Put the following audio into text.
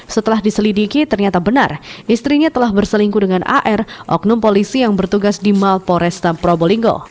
setelah diselidiki ternyata benar istrinya telah berselingkuh dengan ar oknum polisi yang bertugas di malporesta probolinggo